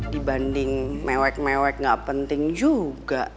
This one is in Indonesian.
dibanding mewek mewek gak penting juga